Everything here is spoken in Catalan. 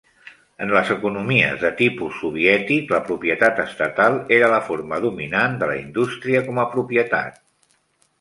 En les economies de tipus soviètic, la propietat estatal era la forma dominant de la indústria com a propietat.